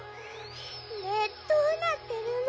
ねえどうなってるの？